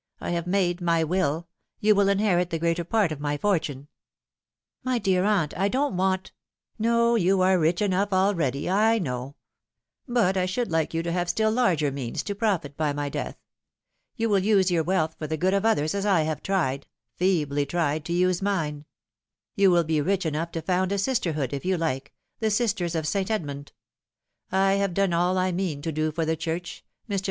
I have made my y/ill. You will inherit the greater part of my fortune." " My dear aunt, I don't want 298 The Fatal Three. " No, you are rich enough already, I know ; but I should like you to have still larger means, to profit by my death. You will use your wealth for the good of others, as I have tried feebly tried to use mine. You will be rich enough to found a sisterhood, if you like the Sisters of St. Edmund. I have done all I mean to do for the Church. Mr.